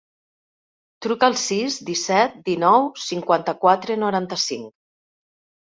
Truca al sis, disset, dinou, cinquanta-quatre, noranta-cinc.